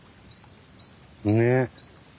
ねえ。